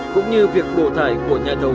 cũng như việc đổ thải của nhà đầu